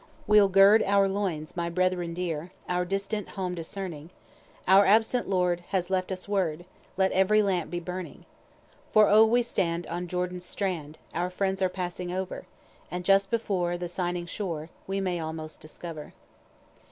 We'll gird our loins my brethren dear, our distant home discerning, Our absent Lord has left us word, let every lamp be burning, For O we stand on Jordan's strand, our friends are passing over, And just before, the shining shore we may almost discover.